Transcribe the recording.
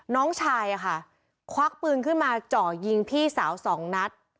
น้องชายอะค่ะควักปืนขึ้นมาเจาะยิงพี่สาวสองนัด